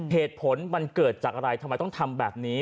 เหตุผลมันเกิดจากอะไรทำไมต้องทำแบบนี้